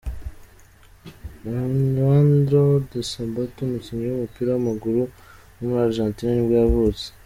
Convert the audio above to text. Leandro Desábato, umukinnyi w’umupira w’amaguru wo muri Argentine nibwo yavutse.